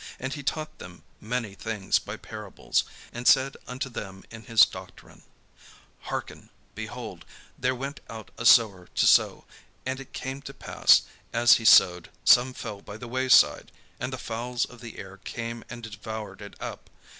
And he taught them many things by parables, and said unto them in his doctrine: "Hearken; Behold, there went out a sower to sow: and it came to pass, as he sowed, some fell by the way side, and the fowls of the air came and devoured it up.